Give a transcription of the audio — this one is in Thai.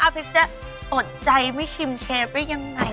อภิษฐ์จะตกใจไม่ชิมเชฟว่ายังไง